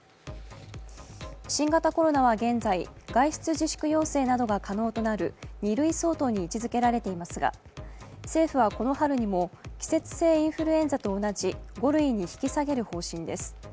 新型コロナは現在、外出自粛要請などが可能となる２類相当に位置づけられていますが政府はこの春にも、季節性インフルエンザと同じ５類に引き下げる方針です。